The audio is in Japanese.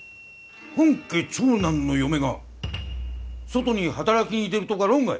本家長男の嫁が外に働きに出るとか論外。